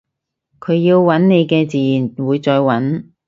佢要搵你嘅自然會再搵